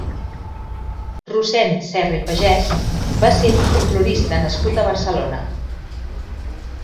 Rossend Serra i Pagès va ser un folklorista nascut a Barcelona.